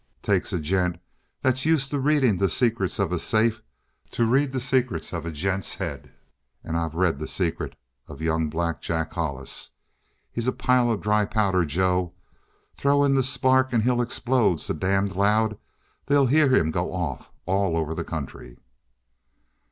"Takes a gent that's used to reading the secrets of a safe to read the secrets of a gent's head. And I've read the secret of young Black Jack Hollis. He's a pile of dry powder, Joe. Throw in the spark and he'll explode so damned loud they'll hear him go off all over the country."